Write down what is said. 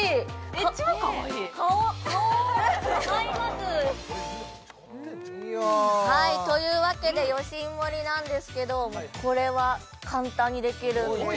えっ超かわいい！買います！というわけでヨシンモリなんですけどこれは簡単にできるんです